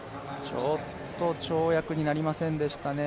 ちょっと跳躍になりませんでしたね。